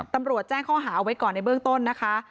ตำรวจแจ้งข้อหาไว้ก่อนในเบื้องต้นนะคะ